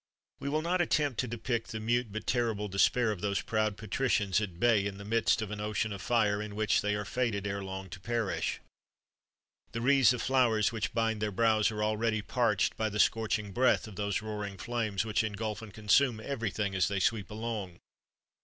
We will not attempt to depict the mute but terrible despair of those proud patricians, at bay in the midst of an ocean of fire, in which they are fated ere long to perish. The wreaths of flowers which bind their brows are already parched by the scorching breath of those roaring flames, which engulf and consume everything as they sweep along.